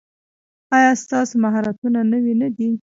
ایا ستاسو مهارتونه نوي نه دي؟